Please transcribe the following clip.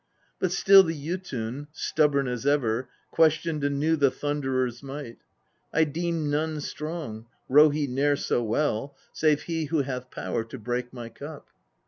29. But still the Jotun, stubborn as ever, questioned anew the Thunderer's might. ' I deem none strong, row he ne'er so well, save he who hath power to break my cup.'